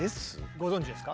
ご存じですか？